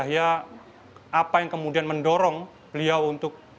dan saya akan berbicara apa yang kemudian mendorong beliau untuk